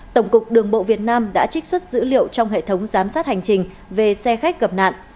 tổng cục đường bộ việt nam đã trích xuất dữ liệu trong hệ thống giám sát hành trình về xe khách gặp nạn